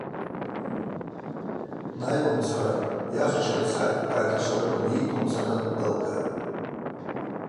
Днайуамцара, йахча рыцхӏакӏ дгӏайшӏашварыквын йыйтуамцара далгатӏ.